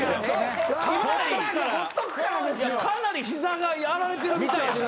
かなり膝がやられてるみたい。